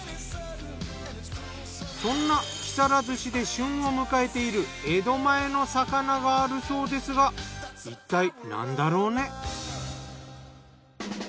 そんな木更津市で旬を迎えている江戸前の魚があるそうですがいったいなんだろうね？